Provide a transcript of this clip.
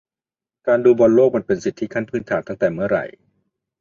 การดูบอลโลกมันเป็นสิทธิขั้นพื้นฐานตั้งแต่เมื่อไหร่